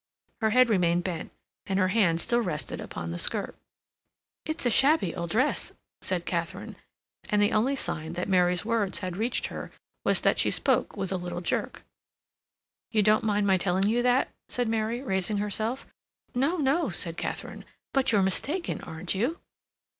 Her head remained bent, and her hand still rested upon the skirt. "It's a shabby old dress," said Katharine, and the only sign that Mary's words had reached her was that she spoke with a little jerk. "You don't mind my telling you that?" said Mary, raising herself. "No, no," said Katharine; "but you're mistaken, aren't you?"